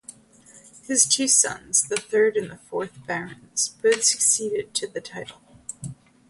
His two sons, the third and fourth Barons, both succeeded to the title.